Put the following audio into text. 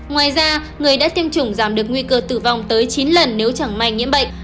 ngoài ra người đã tiêm chủng giảm được nguy cơ tử vong tới chín lần nếu chẳng may nhiễm bệnh